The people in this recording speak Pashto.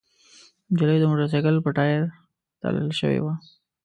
نجلۍ د موټرسايکل په ټاير تړل شوې وه.